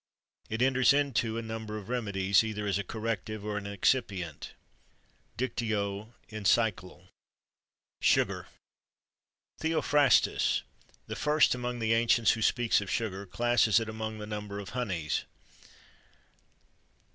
It enters into a number of remedies, either as a corrective, or an excipient." "Dictio. Encycl." SUGAR. Theophrastus, the first among the ancients who speaks of sugar, classes it among the number of honeys.